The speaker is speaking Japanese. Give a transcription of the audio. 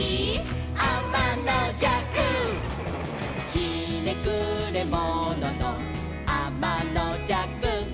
「ひねくれもののあまのじゃく」